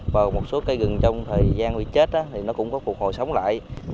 và một số cây rừng trong thời gian bị chết thì nó cũng có phục hồi sống lại